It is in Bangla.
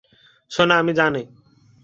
সোনা, আমি জানি।